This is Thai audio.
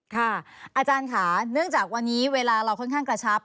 อาจารย์ค่ะเนื่องจากวันนี้เวลาเราค่อนข้างกระชับ